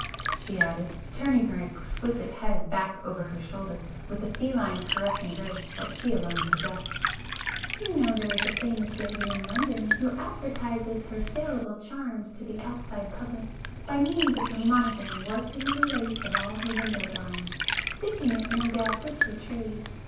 she added, turning her exquisite head back over her shoulder with a feline caressing grace that she alone possessed, "You know there is a famous lady in London who advertises her saleable charms to the outside public by means of her monogram worked into the lace of all her window blinds, thinking it no doubt good for trade!